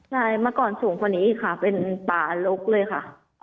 ใช่มาก่อนสูงพอนี้ค่ะเป็นป่าลุกเลยค่ะ